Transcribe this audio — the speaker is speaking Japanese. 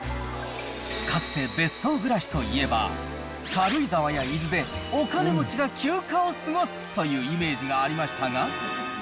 かつて別荘暮らしといえば、軽井沢や伊豆でお金持ちが休暇を過ごすというイメージがありましたが。